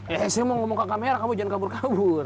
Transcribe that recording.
eh saya mau ngomong ke kamera kamu jangan kabur kabur